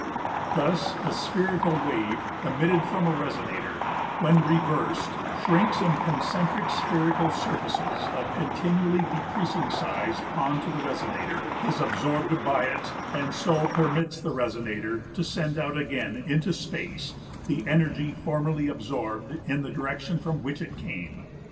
Thus a spherical wave emitted from a resonator when reversed shrinks in concentric spherical surfaces of continually decreasing size on to the resonator, is absorbed by it, and so permits the resonator to send out again into space the energy formerly absorbed in the direction from which it came.